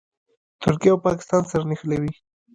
ترکیه او پاکستان سره نښلوي.